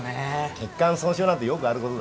血管損傷なんてよくある事だ。